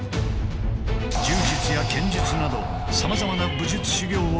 柔術や剣術などさまざまな武術修行を重ね